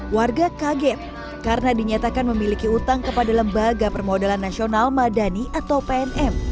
warga kaget karena dinyatakan memiliki utang kepada lembaga permodalan nasional madani atau pnm